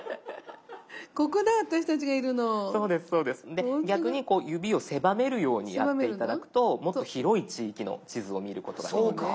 で逆に指を狭めるようにやって頂くともっと広い地域の地図を見ることができます。